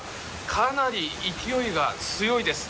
かなり勢いが強いです。